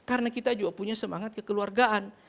karena kita juga punya semangat kekeluargaan